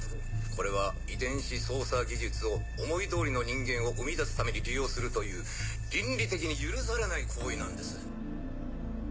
これは遺伝子操作技術を思い通りの人間を生み出すために利用するという倫理的に許されない行為なんです。